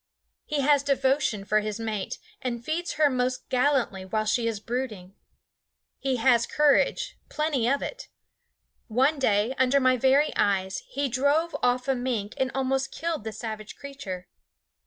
He has devotion for his mate, and feeds her most gallantly while she is brooding. He has courage, plenty of it. One day, under my very eyes, he drove off a mink and almost killed the savage creature.